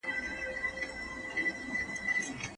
ایا د بدن د قوت لپاره د پسته او بادامو خوړل ښه دي؟